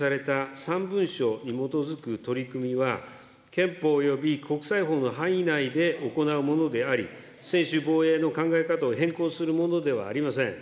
３文書に基づく取り組みは、憲法および国際法の範囲内で行うものであり、専守防衛の考え方を変更するものではありません。